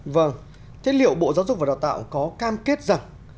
vâng thế liệu bộ giáo dục và đào tạo có cam kết rằng